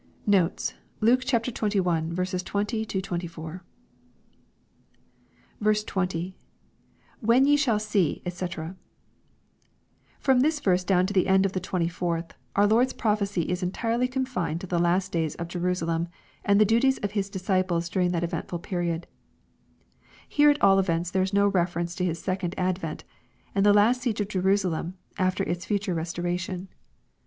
Notes. Luke XXL 20—24. 20. —[ When ye shall see, ^c] From this verse down to the end of the 24th, our Lord's prophecy is entirely confined to the last days of Jerusalem, and the duties of His disciples during that eventfol period. Here at all events there is no reference to His second ad vent, and the last siege of Jerusalem, after its future restoration.